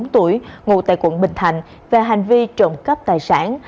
ba mươi bốn tuổi ngồi tại quận bình thạnh về hành vi trộm cắp tài sản